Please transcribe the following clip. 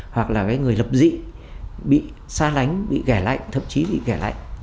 hoặc là người lập dị bị xa lánh bị ghẻ lạnh thậm chí bị ghẻ lạnh